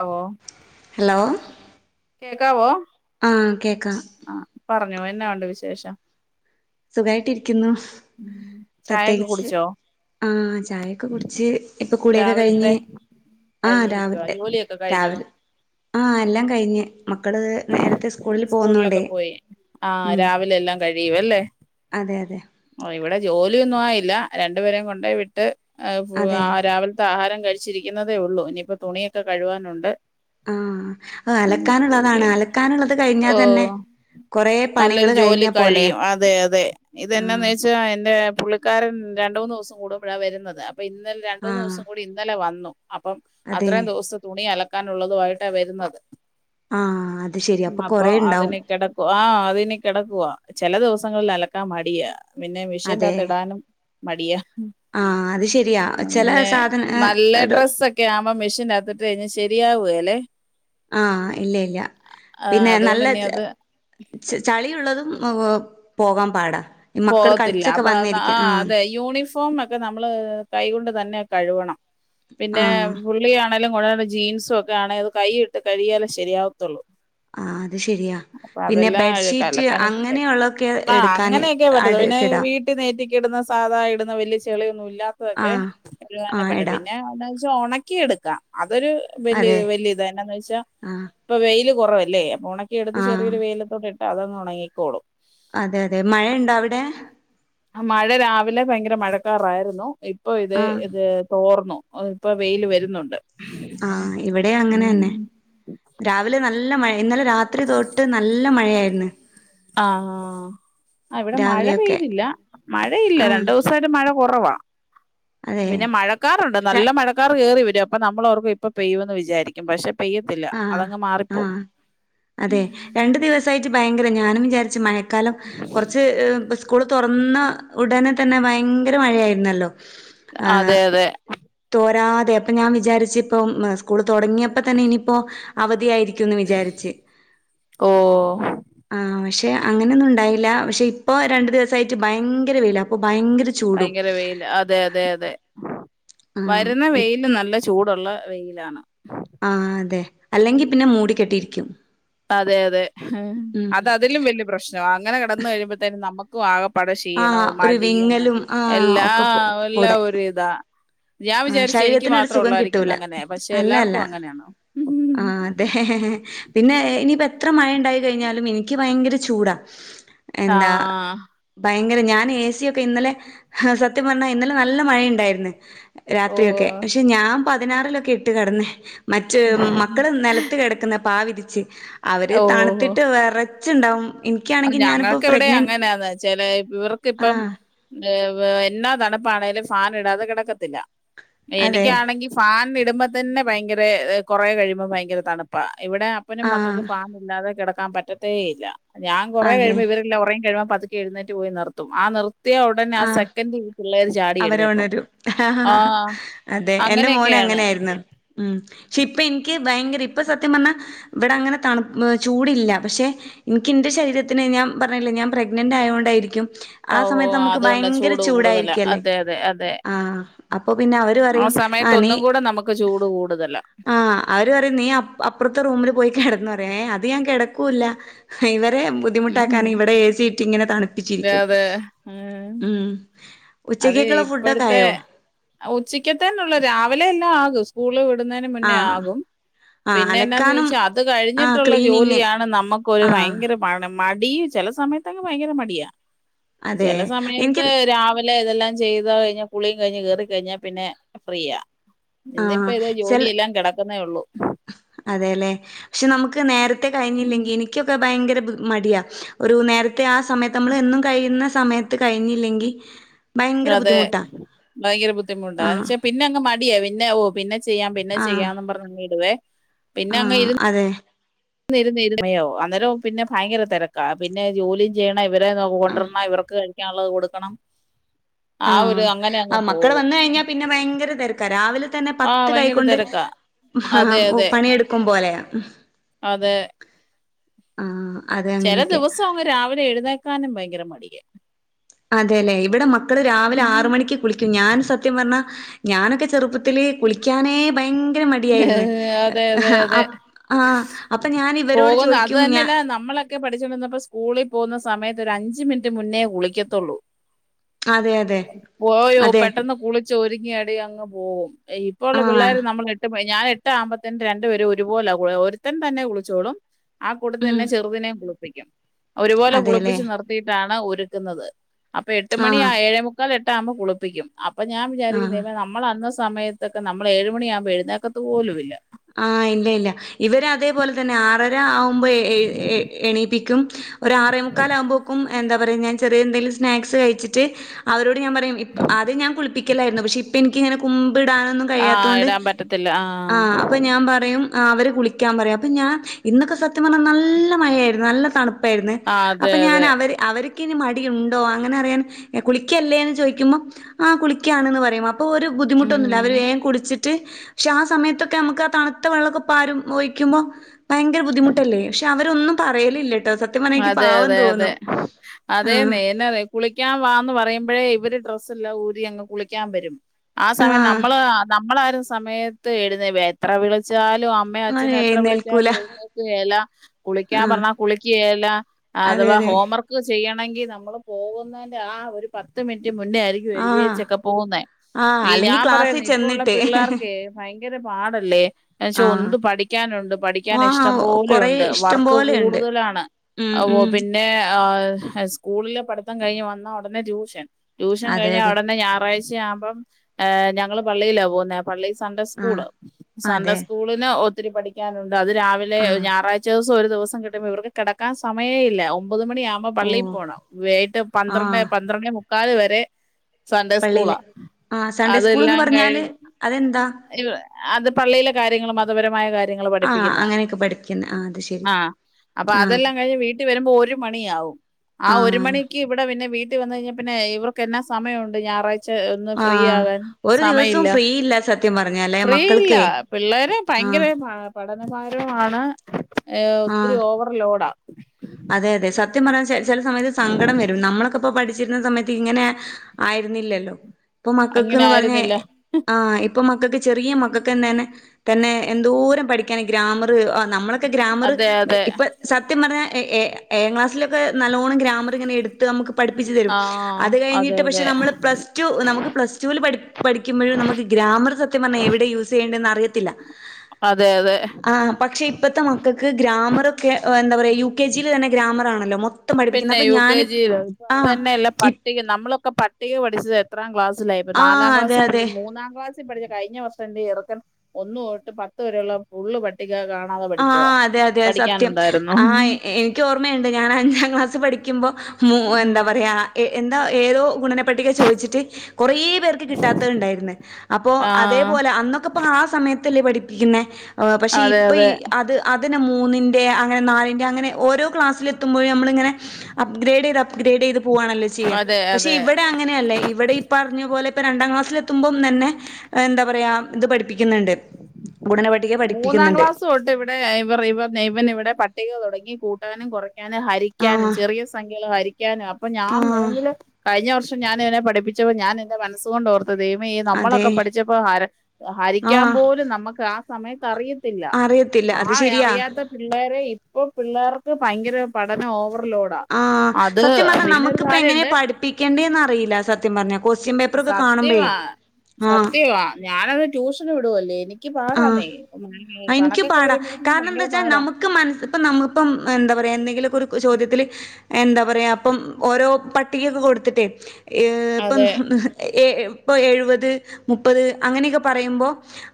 ഓ hello കേക്കാവോ ആ കേക്കാം. ആ പറഞ്ഞോ എന്നാ ഉണ്ട് വിശേഷം സുഖായിട്ട് ഇരിക്കുന്നു. ഉം ചായൊക്കെ പ്രത്യേകിച്ച് കുടിച്ചോ ആ ചായക്ക കുട്ച്ച് ഇപ്പം കുളിയൊക്കെ രാവിലത്തെ കഴിഞ്ഞ് ആ കഴിഞ്ഞിരിക്കുവ രാവിൽത്തെ ജോലിയൊക്കെ കഴിഞ്ഞോ രാവി ആ എല്ലാം കഴിഞ്ഞ്. മക്കള് നേരത്തെ സ്കൂളില് സ്കൂളിലൊക്കെ പോവുന്നോണ്ടേ ഉം. കഴിവല്ലേ അതെ അതെ ഇവടെ ജോലിയൊന്നു ആയില്ല രണ്ടുപേരേം കൊണ്ടയ്‌ വിട്ട് ആ അതെ രാവിൽത്തെ ആഹാരം കഴിച്ചിരിക്കുന്നതേ ഒള്ളൂ. ഇനിയിപ്പോ തുണിയൊക്ക കഴുവാനുണ്ട്. ആഹ് അലക്കാനുള്ളതാണ് ജോലിയുണ്ട് അലക്കാനുള്ളത് കഴിഞ്ഞ തന്നെ ഓ കൊറേ പണികള് നല്ലൊരു ജോലി കഴിഞ്ഞ പോലെയാ. കഴിയും അതെ അതെ ഇത് എന്നാന്ന് ആഹ് വെച്ചാ എന്റെ പുള്ളിക്കാരൻ രണ്ട് മൂന്ന് ദിവസം കൂടുമ്പഴാ വെരുന്നത് അപ്പൊ ഇന്നലെ രണ്ട് മൂന്ന് ആഹ് ദൂസം കൂടി ഇന്നലെ വന്നു അപ്പം അതെ അത്രയും ദുവസ തുണി അലക്കാന് ഉള്ളതു ആയിട്ടാ വര്ന്നത് ആഹ് അത് ശരി അപ്പൊ കൊറേ ഇണ്ടാവും അതിന് കേടക്കുവാ ആ അതിനി കെടക്കുവാ ചെല ദിവസങ്ങൾൽ അലക്കാം മടിയാ പിന്നെ മിഷീന്റകത്ത് ഇടാനും മടിയാ ആ അത് ശെരിയാ ചെല സാധന അ എടു ഒക്കെ ആവുമ്പം മെഷീൻ അകത്ത്ട്ട് കഴിഞ്ഞ ശരിയാവുകേലേ ആ ഇല്ല ഇല്ല ആ, പിന്നെ അതുകൊണ്ട് നല്ല ഇനി അത് ച ചളി ഉള്ളതും പോകാം പാടാ ഈ മക്കള് പോവത്തില്ല കളിച്ചൊക്കെ അപ്പൊ വന്നിരിക്ക ആഹ് അതെ യൂണിഫോം ഒക്കെ നമ്മള് കൈ കൊണ്ട് തന്നെ കഴുകണം പിന്നേ ആഹ് പുള്ളി ആ ണ്ണേലും പുള്ളേരുടെ ജീൻസ് ഒക്കെ ആണേൽ അത് കൈയിട്ട് കഴുകിയാലേ ശരി ആവത്തുള്ളൂ ആഹ് അത് ശരിയാ പിന്നെ ബെഡ് ഷീറ്റ് അങ്ങനെ ഒള്ളത് ഒക്കെ എടുക്കാന് പറ്റത്തുള്ളു പിന്നെ അടുക്കിടാം വീട്ടിൽ നൈറ്റിക്കിടുന്ന സാധാ ഇടുന്ന വലിയ ചെളി ഒന്നും ഇല്ലാ ത്തത് ഒക്കെ ആഹ് ആഹ് [unintelligible] ഇടാം പിന്നെ എന്താ വെച്ചാൽ ഒണക്കി എടുക്കാം അത് ഒരു വലിയ അതെ ഇത് വലിയ ഇത് തന്നെ എന്ന് വെച്ചാ ആഹ് ഇപ്പ വെയില് കൊറവല്ലേ അപ്പൊ ഒണക്കി എടുത്ത് ആഹ് ചെറിയ ഒരു വെയിലത്തോട്ട് എട് അത് അങ്ങ് ഒണങ്ങിക്കോളും അതെ അതെ മഴ ഉണ്ടോ അവിടെ മഴ രാവിലെ ഭയങ്കര മഴക്കാറ് ആയിരുന്നു ഇപ്പൊ ഇതെ ആഹ് ഇതെ തോർന്നു ഓഹ് ഇപ്പൊ വെയില് വരുന്നുണ്ട് ആഹ് ഇവിടെ അങ്ങനെ തന്നെ ഉം രാവിലെ ന നല്ല മഴ ഇന്നലെ രാത്രി തൊട്ട് നല്ല മഴ ആയിരുന്നു ആഹ് ആ ഇവിടെ മഴ രാവിലെയൊക്കെ പെയ്തില്ല മഴയില്ല ആഹ് രണ്ട് ദിവസ ട്ട് മഴ കൊറവാ അതെ പിന്നെ മഴ ക്കാറുണ്ട് നല്ല മഴക്കാർ കേറി വെരും അപ്പൊ നമ്മള് ഓർക്കും ഇപ്പ പെയ്യും എന്ന് വിചാരിക്കും പക്ഷേ പെയ്യ് ത്തില്ല ആഹ് അതങ്ങ് മാറിപ്പോവും രണ്ട് ദിവസായിട്ട് ഭയങ്കര ഞാനും വിചാരിച്ചു മഴക്കാലം കൊറച്ച് സ്കൂള് തൊറന്ന ഉടനെ തന്നെ ഭയങ്കര മഴ ആയിരുന്നല്ലോ അതെ അതെ തോരാതെ അപ്പൊ ഞാൻ വിചാരിച്ചു ഇപ്പം സ്കൂൾ തൊടങ്ങിയപ്പോ തന്നെ ഇനി ഇപ്പോ അവധി ആയിരിക്കും എന്ന് വിചാരിച്ച് ഓ ആഹ് പക്ഷേ അങ്ങനെ ഒന്നും ഉണ്ടായില്ല പക്ഷേ ഇപ്പൊ രണ്ടു ദിവസം ആയിട്ട് ഭയങ്കര വെയിലാ അപ്പൊ ഭയങ്കര ചൂടും ഭയങ്കര വെയില് അതെ അതെ അതെ വരുന്ന ആഹ് വെയില് നല്ല ചൂടുള്ള വെയില് ആണ് ആഹ് അതെ അല്ലെങ്കി പിന്നെ മൂടി കെട്ടി ഇരിക്കും അതെ അതെ അത് അതിലും വലിയ പ്രശ്നവാ അങ്ങനെ കടന്ന് കഴിയുമ്പത്തേക്കും നമ ക്കുവാ ആകപ്പാടെ ക്ഷീണം ആഹ് ഒരു മടിയും വിങ്ങലും ആഹ് എല്ലാ ഒക്കെ എല്ലാ കൂടെ ഒരു ഇതാ ഞാൻ ആഹ് വിചാരിച്ചു എനിക്ക് ശരീരത്തിനൊരു മാത്രം സുഖം ഒള്ളൂ ആയിരിക്കും കിട്ടൂല എന്ന് അങ്ങനെ പക്ഷേ അല്ല അല്ല എല്ലാർക്കും അങ്ങനെ ആണോ ആഹ് അതെ പിന്നെ ഇനി ഇപ്പ എത്ര മഴ ഉണ്ടായി കഴിഞ്ഞാലും എനിക്ക് ഭയങ്കര ചൂടാ എന്താ ആ ഭയങ്കര ഞാൻ എ സി ഒക്കെ ഇന്നലെ സത്യം പറഞ്ഞാ ഇന്നലെ നല്ല മഴ ഉണ്ടായിരുന്ന് ഓ രാത്രി ഒക്കെ പക്ഷെ ഞാൻ പതിനാറില് ഒക്കെ ഇട്ട് കിടന്നേ മ മക്കള് നെലത്ത് കേടക്കുന്നെ പായ വിരിച്ച് അവര് തണുത്തിട്ട് വെറച്ച് ഇണ്ടാവും അത് ഞങ്ങൾക്ക് ഇവിടെ അങ്ങനെ ആണെന്ന് ചെലേ ഇവർക്ക് ഇപ്പം ആഹ് എന്നാ തണുപ്പ് ആണേലും ഫാൻ ഇടാതെ കിടക്കത്തില്ല അതെ എനിക്ക് ആണെങ്കിൽ ഫാൻ ഇടുമ്പോ തന്നെ ഭയങ്കര കൊറേ കഴിയുമ്പോ ഭയങ്കര തണുപ്പാ ഇവിടെ അപ്പനും മക്കക്കും ആഹ് ഫാന് ഇല്ലാതെ കെടക്കാൻ പറ്റത്തേ ഇല്ല ഞാൻ കൊറെ അതെ കഴിയുമ്പോ ഇവര് എല്ലാം ഒറങ്ങി കഴുമ്പ പതു ക്കെ എഴുന്നേറ്റ് പോയി നിർത്തും ആ നിർ ത്തിയ ഉടനെ ആ ആഹ് സെക്കൻഡ് പിള്ളേര് ചാടി എഴുന്നേൽക്കും അവരുണരും ആഹ് അതെ എന്റെ മോന് അങ്ങനെ ആയിരുന്നു ഉം പക്ഷെ ഇപ്പ ഇനിക്ക് ഭയങ്കര ഇപ്പൊ സത്യം പറഞ്ഞാ ഇവിടെ അങ്ങനെ തണു ഏഹ് ചൂടില്ല പക്ഷെ എനിക്ക് എന്റെ ശരീരത്തിന് ഞാൻ പറഞ്ഞില്ലേ ഞാൻ പ്രെഗ്നന്റ് ആയത് കൊണ്ടായിരിക്കും ആയതോൊണ്ടായിരിക്കും [unintelligible] അതോണ്ട ചൂട് കൂടുതല അതെ അതെ അതെ ആഹ് അപ്പൊ പിന്നെ അവര് ആഹ് പറയും ആ നീ സമയത്തൊന്നും കൂട നമുക്ക് ക്ക ചൂട് കൂടുതല ആഹ് അവര് പറയും നീ അപ്പറ്ത്തെ റൂമില് പോയി കെടന്നൊ പറയ് ഏഹ് അത് ഞാൻ കെടക്കൂല്ല ഇവരെ ബുദ്ധിമുട്ടാക്കാന് ഇവിടെ ഏസിയിട്ട് ഇങ്ങനെ തണുപ്പ അതേ ആഹ് ഉം ഉച്ചക്കക്ക്ള്ള ഫുഡൊക്കായൊ ഉച്ചക്കത്തേന് ഉള്ള രാവിലെ എല്ലാം ആകും സ്കൂള് വിട്ന്നേന് മുന്നേ ആഹ് ആകും ആഹ് പിന്നെ എന്താന്ന് അലക്കാനും ചോദിച്ചാ അത് ആഹ് കഴിഞ്ഞിട്ടുള്ള ക്ലീനിങ് ജോലിയാണ് നമ്മക്കൊരു ആഹ് ഭയങ്കര [unintelligible] മടീ ചെല സമയത്തങ്ങ് ഭയങ്കര മടിയാ അതെ ചെല എനിക്ക് സമയത്ത് രാ ഇല്ല ഇതെല്ലാം ചെയ്ത കഴിഞ്ഞ് കുളിയും കഴിഞ്ഞ് കേറിക്കഴിഞ്ഞ പിന്നെ ഫ്രീയ ഇന്നിപ്പ ആഹ് ഇതെ ജോലിയെല്ലാം കെടക്കുന്നെ ഉള്ളു അതേലെ പക്ഷെ നമുക്ക് നേരത്തെ കഴിഞ്ഞില്ലെങ്കി എനിക്കൊക്ക ഭയങ്കര മടിയാ ഒരു നേരത്തെ ആഹ് സമയത്ത് നമ്മള് എന്നും കഴിയ്ന്ന സമയത്ത് കഴിഞ്ഞില്ലെങ്കി ഭയങ്കര അതേ ബുദ്ധിമുട്ടാ ഭയങ്കര ബുദ്ധിമുട്ട ആഹ് വച്ച പിന്നെ അങ്ങ് മടിയ പിന്നെ ഓഹാ പിന്നെ ചെയ്യാം പിന്നെ ആഹ് ചെയ്യാംന്ന് പറഞ്ഞ് ഇടുവേ പിന്നെ അങ്ങ് ഇരു ആഹ് അതേ [unintelligible] അന്നേരം പിന്ന ഭയങ്കര തെരക്ക പിന്നെ ജോലി ചെയ്യണ ഇവരെ നോക്കൊണ്ട്രണം ഇവർക്ക് കഴിക്കാള്ളത് കൊട്ക്കണം ആഹ് ആഹ് മക്കള് വന്നഴിഞ്ഞ പിന്നെ ഭയങ്കര തെരക്ക രാവിലെ തന്നെ ആ പത്ത് ഭയങ്കര കയ്കൊണ്ട് തിരക്കാ അതെ ആഹ് പണിയെട് ക്കും പോലെയാ അതേ ആഹ് അതെ ചെല അങ്ങനെയൊക്കെ ദിവസം അങ്ങ് രാവിലെ എഴുന്നേക്കാനും ഭയങ്കര മടിയ അതെലേ ഇവിടെ മക്കള് രാവിലെ ആറ് മണിക്ക് കുളിക്കും ഞാൻ സത്യം പറ്ഞ്ഞ ഞാനൊക്ക ചെറുപ്പത്തില് കുളിക്കാനേ ഭയങ്ക യങ്കര മടിയായിരുന്നു ഏഹ്, അതെ അതെ അതെ ആഹ് അപ്പൊ ഞാൻ ഇവരോട് ചോയിക്കും ഞാ ക്കെ പഠിച്ചോണ്ടിന്നപ്പൊ സ്കൂളി പോകുന്ന സമയത്ത് ഒരഞ്ച് മിനിറ്റ് മുന്നേ കുളിക്കത്തുള്ളു അതെ അതെ പോയോ അതെ പെട്ടെന്ന് കുളിച്ചൊരുങ്ങി അടി അങ്ങ് പോവും ഇപ്പൊള്ള ആഹ് പിള്ളാര് നമ്മൾ എട്ട് ഞാൻ എട്ടേ അമ്പത്തന് രണ്ട് പേരു ഒരുപോല ഒരുത്തൻ തന്നെ കുളിച്ചോളും ആഹ് കൂട്ടത്തി ഉം തന്നെ ചെറുതിനെം കുളിപ്പിക്കും ഒരുപോലെ അതെല്ലേ കുളിപ്പിച്ച് നിർത്തിയിട്ടാണ് ഒരുക്ക്ന്നത് അപ്പൊ എട്ട് മണി ആഹ് ഏഴേ മുക്കാൽ എട്ടാവുമ്പൊ കുളിപ്പിക്കും അപ്പൊ ഞാൻ വിചാരിക്കും ആഹ് ദൈവമെ നമ്മളന്ന് സമയത്തൊക്കെ നമ്മള് ഏഴു മണിയാവുമ്പൊ എഴുന്നേക്കത്ത് പോലു ഇല്ല ആഹ് ഇല്ല ഇല്ല ഇവര് അതേപോലെ തന്നെ ആറര ആവു മ്പ എ എ എണീപ്പിക്കും ഒര ആറേമുക്കാലാവുമ്പക്കും എന്ത പറയ ഞാൻ ചെറിയ എന്തെങ്കിലും സ്നാക്സ് കഴിച്ചിട്ട് അവരോട് ഞാൻ പറയും ഇപ്പ അദ്യം ഞാൻ കുളിപ്പിക്കലായിരുന്നു പക്ഷെ ഇപ്പ എനിക്കിങ്ങനെ കുമ്പിടാനൊന്നും കഴിയാത്തോണ്ട് ല്ല ആഹ് ആഹ് അപ്പൊ ഞാൻ പറയും അവര് കുളിക്കാം പറയും അപ്പൊ ഞാൻ ഇന്നൊക്കെ സ ത്യം പറ്ഞ്ഞ നല്ല മഴയായിരുന്നു നല്ല തണുപ്പായിരുന്നു ആ അതെ അപ്പൊ ഞാൻ അതെ അവരെ അവർക്കിനി മടിയുണ്ടോ അങ്ങനെ അറിയാൻ കുളിക്കല്ലേന്ന് ചൊയ്ക്കുമ്പൊ ആഹ് കുളിക്കാണ്ന്ന് പറയും അപ്പൊ ഒരു ബുദ്ധിമുട്ടൊന്നുല്ല ഉം അവര് വേം കുളിച്ചിട്ട് പക്ഷെ ആഹ് സമയത്തൊ ക്കെ നമുക്ക് ആഹ് തണുത്ത വെള്ളക്കെ പാരും ഒഴിക്കുമ്പൊ ഭയങ്കര ബുദ്ധിമുട്ടല്ലെ പക്ഷെ അവരൊന്നും പറയലില്ലട്ടൊ സ അതെ അതെ അതെ ആഹ്. അതേന്നേ എന്നാ കുളിക്കാം വാന്ന് പറയുമ്പോഴേ ഇവര് ഡ്രസ്സല്ലാ ഊരി അങ്ങ് കുളിക്കാം വരും. ആഹ് സമയം ന്നമ്മള് ആ ന്നമ്മള ആ ഒര് സമയത്ത് എഴുന്നേ എത്ര വ്ളിച്ചാലും അ അമ്മയും അവര് അച്ഛനും എത്ര എഴുന്നേൽക്കൂല. വ്ള്ച്ചാലും എഴുന്നേക്കുകേലാ കുളിക്കാം ആഹ്. പർഞാ കുളി ക്കേലാ അതെ അഥവാ അതെ. ഹോംവർ ക്ക് ചെയ്യണെങ്കി ന്നമ്മള് പോവുന്നേന്റെ ആ ഒരു പത്ത് മിൻറ്റ് മുന്നേ ആയിരി ആഹ്. എഴുതിയേച്ചക്ക പോവുന്നേ ആഹ് ഈ അല്ലെങ്കി ഞാം പറയാ ക്ലാസ്സിൽ ഇപ്പ ഉള്ള ചെന്നിട്ട് പിള്ളേർക്കെയ് ഭയങ്കര പാടല്ലേ? ഏച്ച ആഹ് ഉണ്ട് പഠിക്കാനുണ്ട് പഠിക്കാന് ഇഷ്ടം ആഹ് കൊറേ പോലെയുണ്ട് ഇഷ്ടം വർക്ക് പോലെയുണ്ട് കൂടുതലാണ്. ഉം ഒവോ ഉം പിന്നെ ആ സ്കൂൾലേ പഠിത്തം കയ്ഞ്ഞ് വന്നാ ഉടനെ ട്യൂഷൻ. ട്യൂഷൻ അതെ കയ്ഞ്ഞാ അതെ അവടന്ന് ഞാറാഴ്ച ആവുമ്പം ആ ഞങ്ങള് പള്ളിയിലാ പോവുന്നേ പള്ളി സൺഡേ ആഹ് സ്കൂള് സൺഡേ അതെ സ്കൂളിന് ഒത്തിരി പഠിക്കാനുണ്ട് അത് രാവിലെ ആഹ് ഞാറാഴ് ചോസം ഒരു ദിവസം കിട്ട്മ്പോ ഇവർക്ക് കേടക്കാൻ സമയയില്ല ഒമ്പത് മണി ആവും ഓ പള്ളീ പോണം വെയീട്ട് പന്ത്രണ്ടേ ആഹ് പന്ത്രണ്ടിന് മുക്കാല് വരെ സൺഡേ സ്കൂളാ പള്ളിയില് ആഹ് സൺഡേ സ്കൂള്ന്ന് അതെല്ലാം പറഞ്ഞാല് കഴിഞ്ഞ് അതെന്താ? അത് പള്ളിയിലെ കാര്യങ്ങള് മതപരമായ കാര്യങ്ങള് ആഹ് പഠിപ്പിക്കുന്ന അങ്ങനെയൊക്കെ പഠിക്കുന്നെ ആഹ് അത് ശരി ആഹ്. അപ്പൊ ആഹ് അതെല്ലാം കഴിഞ്ഞ് വീട്ടി വരുമ്പോ ഒരു മണിയാവും ആ ഒരു ആഹ് മണി ഇവടെ പിന്നെ വീട്ടി വന്ന് കയ്ഞ്ഞാ പിന്നെ ഇവർക്ക് എന്നാ സമയൊണ്ട് ഞാറാഴ് ച് ഒന്ന് ഫ്രീ ആഹ് ആവാൻ ഒരു ദിവസവും സമയില്ല ഫ്രീ ഇല്ല സത്യം പറഞ്ഞാലേ ഫ്രീയില്ല മക്കൾക്കേ പിള്ളേര് ഭയങ്കര ആഹ് പാ പഠനഭാരവാണ് ഒത്തിരി ആഹ് ഓവർ ലോഡാ. അതെ അതെ സത്യം പർഞാ ചെ ചെല സമയത്ത് സങ്കടം വരും ന്നമ്മളൊക്കപ്പൊ പഠിച്ചിര്ന്ന സമയത്ത് ഇങ്ങനെ ആയിരുന്നില്ലല്ലോ പ്പൊ അങ്ങനെ മക്കൾക്ക്ന്ന് പർഞേ ആയിരുന്നില്ല ആഹ് ഇപ്പൊ മക്കക്ക് ചെറിയേ മക്കക്കന്നേനേ തന്നെ എന്തൊരം പഠിക്കാന് ഗ്രാമറ് ആ ന്നമ്മള ക്ക ഗ്രാമറ് അതെ അതെ ഇപ്പ സത്യം പർഞാ എ ഏ ഏഴാം ക്ലാസ്സിലൊക്കെ നല്ലോണം ഗ്രാമറ് ങ്ങനെ എട് നമ്മുക്ക് പഠിപ്പിച്ചു തരും ആഹ് അത് അതെ കഴിഞ്ഞിട്ട് പക്ഷെ അതെ നമ്മള് പ്ലസ്ടു നമുക്ക് പ്ലസ്റ്റുവിൽ പഠി പഠിക്കുമ്പഴും ന്നമുക്ക് ഗ്രാമറ് സത്യം പർഞ്ഞാ എവടെ യൂസയ്യേണ്ടന്ന് അറിയത്തില്ല. അതെ അതെ. ആഹ് പക്ഷെ ഇപ്പത്തെ മക്കക്ക് ഗ്രാമറൊക്കെ എന്താ പറയാ യു കെ ജീല് തന്നെ ഗ്രാമറാണല്ലോ മൊ പിന്നെ യു കെ ജി തന്നെയല്ല പ ഇപ് ന്നമ്മളൊക്ക പട്ടിക പഠിച്ചത് എത്രാം ക്ലാസ്സിലായിപ്പ ന്നാലാം ആഹ് അതെ ക്ലാസി പഠിച്ച അതെ മൂന്നാം ക്ലാസ് പഠിച്ച കഴിഞ്ഞ വർഷം ന്റെ ചെറുക്കൻ ഒന്ന് തൊട്ട് പത്ത് വരെയുള്ള ഫുള്ള് പട്ടിക കാണാത പഠിച്ചതാ ആഹ് അതെ പഠിക്കാനുണ്ടായിരുന്നു. ക്ക്‌ ഓർമ്മയണ്ട് ഞാൻ അഞ്ചാം ക്ലാസ്സ് പഠിക്കുമ്പോ മൂ എന്താ പറയാ എ എന്താ ഏതോ ഗുണന പട്ടിക ചോയ്ച്ച്ട്ട് കൊറെ പേർ ക്ക്‌ കിട്ടാത്തത്ണ്ടായിരുന്നു അപ്പൊ ആഹ് അതേപോലെ അന്നക്കപ്പൊ ആ സമയത്തല്ലേ പഠിപ്പിക്കുന്നേ പക്ഷെ അതെ ഇപ്പ ഈ അതെ അത് അതിനെ മൂന്നിന്റെ അങ്ങനെ ന്നാലിന്റെ അങ്ങനെ ഓരോ ക്ലാസില് തുംമ്പഴ് ഞമ്മള്ങ്ങനെ അപ്‌ഗ്രേഡീത് അപ്ഗ്രേഡീത് പുവാണല്ലോ ചിയ്യാ അതെ അതെ പക്ഷെ ഇവടെ അ അങ്ങനെയല്ലേ ഇവടെ ഈ പർഞ്ഞ പോലെ ഇപ്പ രണ്ടാം ക്ലാസ്സിലത്തുമ്പം തന്നെ എന്താ പറയാ ഇത് പഠിപ്പിക്കുന്ന്ണ്ട് ഗുണന പട്ടിക മൂന്നാം പഠിപ്പിക്കുന്ന്ണ്ട്. ക്ലാസ് തൊട്ട് ഇവടെ ഇവർ ഇവ ഇവൻ ഇവിടെ പട്ടിക തൊടങ്ങി കൂട്ടാനും കൊറ ഞാന് ഹരിക്കാനും ആഹ് ചെറിയ സംഖ്യാള് ഹരിക്കാനും അപ്പൊ ഞാം ആഹ് മൂന്നില് കഴിഞ്ഞ വർഷം ഞാനിവനേ പഠിപ്പിച്ചു ഞാനന്റെ മനസ്സ് കൊണ്ട് ഓർ ദൈവമേ അതെ ന്നമ്മളൊക്ക പഠിച്ചപ്പോ ഹര ഹരിക്കാം ആഹ് പോലും ന്നമ്മക്ക് ആ സമയത്ത് അറിയ ത്തില്ല അറിയത്തില്ല അത് ആ ശെരിയാ അറിയാത്ത പിള്ളേരേ ഇപ്പൊ പിള്ളേർക്ക് ഭയങ്കര പഠനം ഓവർലോഡാ. ആഹ് അത് സത്യം പറഞ്ഞാൽ പിന്നെ ഒരു നമുക്കിപ്പോ എങ്ങനാ കാര്യമുണ്ട് പഠപ്പിക്കണ്ടന്ന് അറിയില്ല സത് സത്യം പറഞ്ഞ കൊസ്റ്റ്യൻ പേപ്പറൊക്കെ കാണുമ്പേ സത്യമാ ആഹ് സത്യമാ ഞാനത് ട്യൂഷന് വിടു അല്ലേ എനി ക്ക് ആഹ് പാടാന്നേ [unintelligible] കണക്കൊക്കെ വരുമ്പഴും ഭയങ്കര പാടാ ക്ക് മനസിപ്പ നമ്മൾ ഇപ്പം എന്താ പറയാ എന്തെങ്കിലൊക്ക ഒരു ചോദ്യത്തില് എന്താ പറയാ അപ്പം ഓരോ പട്ടികെക്കൊ കൊടുത്തിട്ടേ ഏഹ് അതെ ഇപ്പം എ ഇപ്പോ എഴുപത്, മുപ്പത് അങ്ങനെഒക്കെ പറയുമ്പോ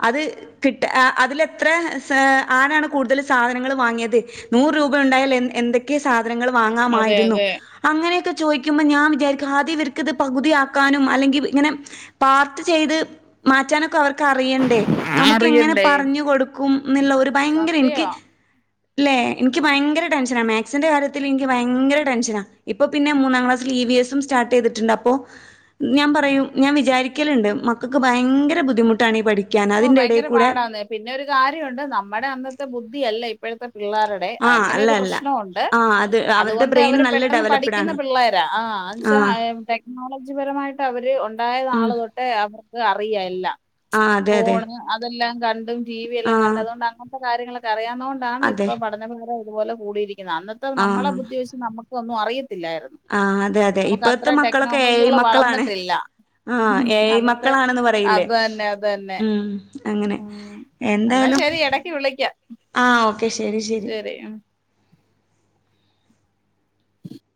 അത്. കിട്ട ആ അതിലെത്ര സാ ആരാണ് കൂടുതൽ സാധനങ്ങൾ വാങ്ങിയത്. നൂറ് രൂപ ഉണ്ടായാൽ എ എന്തൊക്കെ സാധനങ്ങൾ അതെ വാങ്ങാമായിരുന്നു. അതെ അങ്ങനെ ഒക്കെ ചോദിക്കുമ്പ ഞാൻ വിചാരിക്കും ആദ്യം ഇവര്ക്ക് ഇത് പകുതിയാക്കാനും അല്ലെങ്കി ഇങ്ങനെ. പാർട്ട് ചെയ്ത് മാറ്റാനൊക്കെ അവർക്ക് അറി യെണ്ടേ നമുക്ക് എങ്ങനെ അറിയണ്ടേ പറഞ്ഞു കൊടുക്കും എന്നുള്ള ഒരു ഭയങ്കര എനിക്ക്. സത്യവാ അല്ലേ എനിക്ക് ഭയങ്കര ടെൻഷനാ മാക്സിന്റെ മകാര്യത്തിൽ എനിക്ക് ഭയങ്കര ടെൻഷനാ. ഇപ്പൊ പിന്നെ മൂന്നാം ക്ലാസിൽ ഇ വി എസ്സും സ്ർട്ട് ചെയ്തിടുണ്ട് അപ്പോ. ഞാൻ പറയും ഞാൻ വിചാരിക്കലുണ്ട് മക്കക്ക് ഭയങ്കര ബുദ്ധിമുട്ടാണ് ഈ പഠി ഓഹ് ഭയങ്കര പാടാന്നെ പിന്നെ ഒരു കാര്യഒണ്ട് നമ്മടെ അന്നത്തെ ബുദ്ധി അല്ല ഇപ്പഴത്തെ പിള്ളെരുടെ ടെ ആഹ് അങ്ങനെ അല്ല ഒരു അല്ല പ്രശ്ന ഒണ്ട് ആഹ് അത് അവരുടെ അതുകൊണ്ട് ബ്രെയിൻ അവര് നല്ല പെട്ടെന്ന് ഡെവലപ്ഡ് പഠിക്കുന്ന ആണ് പിള്ളേരാ ആഹ് അന്ച്ച ആഹ് ഏഹ്മ് ടെക്നോളജിപരമായിട്ട് അവര് ഉണ്ടായ ഉം നാള് തൊട്ടേ അവർക്ക് അറിയ എല്ലാ ആഹ് അതെ അതെ ഫോണ് അതെല്ലാം കണ്ടും ടി വി എല്ലാം കണ്ട് ആഹ് അതുകൊണ്ട് അങ്ങനത്തെ കാര്യങ്ങളൊക്കെ അറിയാന്നോ ണ്ടാണ് അതെ ഇപ്പൊ പഠനഭാരം ഇതുപോലെ കൂടിയിരിക്കുന്ന അന്നത്തെ നമ്മളെ ബുദ്ധി വെച്ച് നമ്മക്കൊന്നും അറിയത്തില്ലാരുന്നു. ആ അതെ അതെ ഇപ്പഴത്തെ മക്കളൊക്കെ ഏ ഐ മക്കളാണ്. വളർന്നിട്ടില്ല ആഹ് ഉം ഏ ഐ അന്നത്തെ മക്കളാണെന്ന് പറയില്ലേ അത് തന്നെ അത് തന്നെ ഉം. അങ്ങനെ എന്നാ എന്താലും ശരി എടക്ക് വിളിക്കാം ആഹ് ഓക്കെ ശരി ശരി.